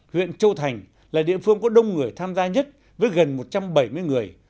huyện châu thành là địa phương có đông người tham gia nhất với gần một trăm bảy mươi người